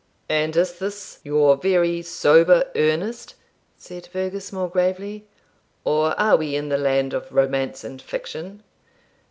'And is this your very sober earnest,' said Fergus, more gravely, 'or are we in the land of romance and fiction?'